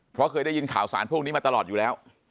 เพราะเคยได้ยินข่าวสารพวกนี้มาตลอดอยู่แล้ว